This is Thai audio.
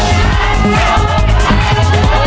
เอาแล้วเอาแล้ว